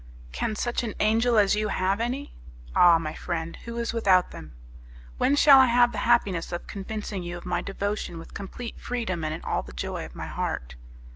"Can such an angel as you have any?" "Ah, my friend! who is without them?" "When shall I have the happiness of convincing you of my devotion with complete freedom and in all the joy of my heart?"